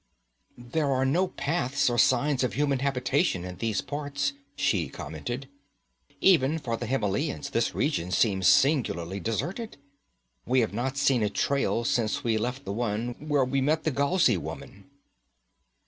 'There are no paths or signs of human habitation in these parts,' she commented. 'Even for the Himelians this region seems singularly deserted. We have not seen a trail since we left the one where we met the Galzai woman.'